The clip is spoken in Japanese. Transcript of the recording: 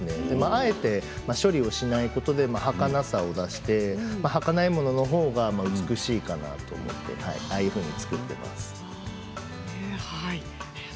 あえて処理をしないことではかなさを出してはかないもののほうが美しいと思っています。